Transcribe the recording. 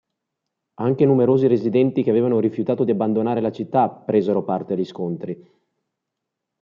Anche numerosi residenti che avevano rifiutato di abbandonare la città presero parte agli scontri.